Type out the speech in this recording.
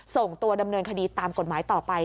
ส่งตัวดำเนินคดีตามกฎหมายต่อไป